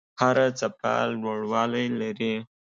هره څپه لوړوالی لري.